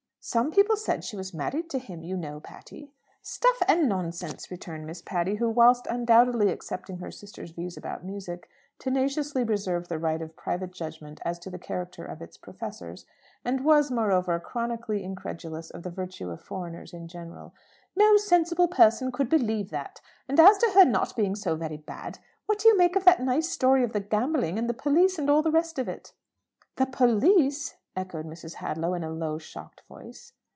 "Some people said she was married to him, you know, Patty." "Stuff and nonsense!" returned Miss Patty, who, whilst undoubtedly accepting her sister's views about music, tenaciously reserved the right of private judgment as to the character of its professors, and was, moreover, chronically incredulous of the virtue of foreigners in general. "No sensible person could believe that. And as to her 'not being so very bad' what do you make of that nice story of the gambling, and the police, and all the rest of it?" "The police!" echoed Mrs. Hadlow, in a low shocked voice.